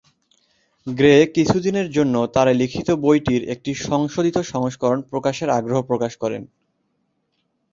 Grey কিছুদিনের মধ্যে তার লিখিত বইটির একটি সংশোধিত সংস্করণ প্রকাশের আগ্রহ প্রকাশ করেন।